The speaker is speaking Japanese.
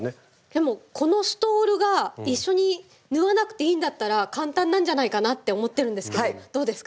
でもこのストールが一緒に縫わなくていいんだったら簡単なんじゃないかなって思ってるんですけどどうですか？